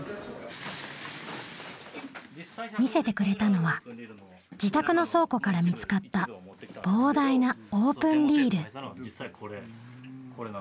見せてくれたのは自宅の倉庫から見つかった膨大なオープンリール。